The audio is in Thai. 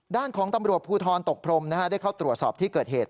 ด้านของตำรวจภูทรตกพรมได้เข้าตรวจสอบที่เกิดเหตุ